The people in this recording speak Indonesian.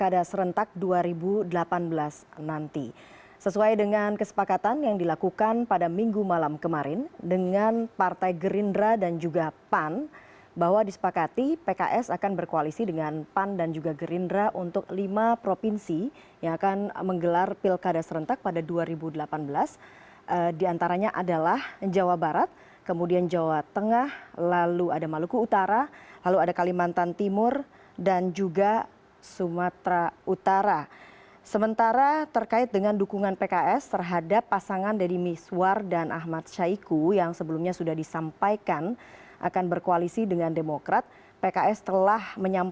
assalamualaikum warahmatullahi wabarakatuh